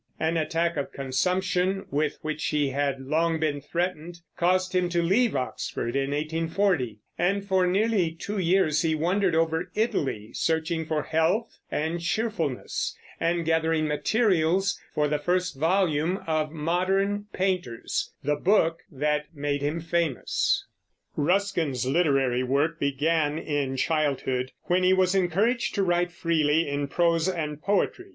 An attack of consumption, with which he had long been threatened, caused him to leave Oxford in 1840, and for nearly two years he wandered over Italy searching for health and cheerfulness, and gathering materials for the first volume of Modern Painters, the book that made him famous. Ruskin's literary work began in childhood, when he was encouraged to write freely in prose and poetry.